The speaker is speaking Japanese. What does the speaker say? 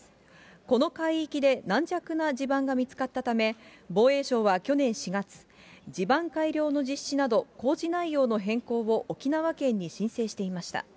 この海域で軟弱な地盤が見つかったため、防衛省は去年４月、地盤改良の実施など、工事内容の変更を沖縄県に申請していました。